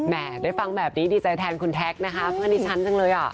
ได้ฟังแบบนี้ดีใจแทนคุณแท็กนะคะเพื่อนที่ฉันจังเลยอ่ะ